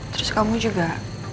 terus kamu juga